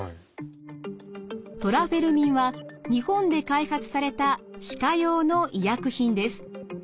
トラフェルミンは日本で開発された歯科用の医薬品です。